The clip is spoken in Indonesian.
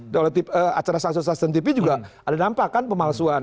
dari acara saksos saksen tv juga ada dampak kan pemalsuan